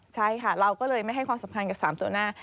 ใช่ค่ะเราก็เลยไม่ให้ความสำคัญกับ๓ตัวหน้า